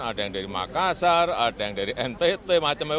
ada yang dari makassar ada yang dari ntt macamnya